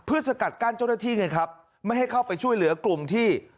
เพื่อสกัดกั้นเจ้าหน้าที่ไงครับไม่ให้เข้าไปช่วยเหลือกลุ่มที่